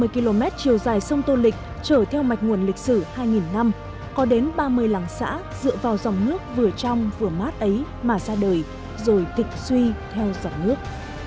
ba mươi km chiều dài sông tô lịch chở theo mạch nguồn lịch sử hai năm có đến ba mươi làng xã dựa vào dòng nước vừa trong vừa mát ấy mà ra đời rồi tịch suy theo dòng nước